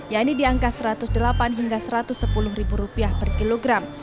yakni di angka satu ratus delapan hingga satu ratus sepuluh ribu rupiah per kilogram